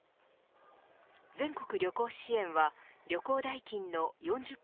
全国旅行支援は旅行代金の４０％